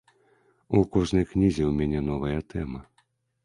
У кожнай кнізе ў мяне новая тэма.